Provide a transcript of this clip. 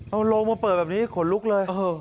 เอาโรงมาเปิดแบบนี้ขนลุกเลย